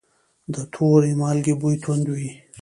د تور مالګې بوی توند وي.